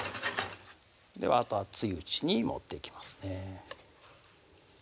あとは熱いうちに盛っていきますね